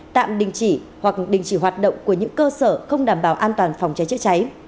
tạm đình chỉ hoặc đình chỉ hoạt động của những cơ sở không đảm bảo an toàn phòng cháy chữa cháy